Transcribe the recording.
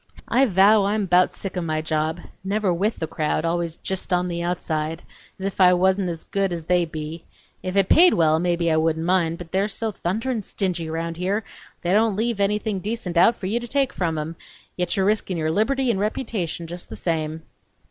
I vow I'm bout sick o' my job! Never WITH the crowd, allers JEST on the outside, s if I wa'n't as good's they be! If it paid well, mebbe I wouldn't mind, but they're so thunderin' stingy round here, they don't leave anything decent out for you to take from em, yet you're reskin' your liberty n' reputation jest the same!...